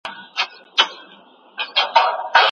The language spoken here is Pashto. حاکمانو ته د مغولو تاریخ معلوم دی.